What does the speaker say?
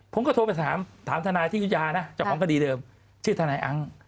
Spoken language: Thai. ผมก็โทรไปถามทนายที่วิทยานะเจ้าของคดีเดิมชื่อทนายอัง